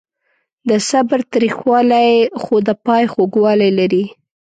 د صبر تریخوالی خو د پای خوږوالی لري.